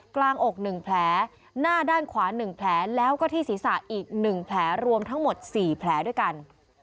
กลางอก๑แผลหน้าด้านขวา๑แผลแล้วก็ที่ศีรษะอีก๑แผลรวมทั้งหมด๔แผลด้วยกัน